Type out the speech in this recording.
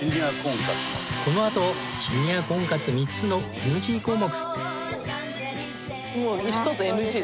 このあとシニア婚活３つのＮＧ項目。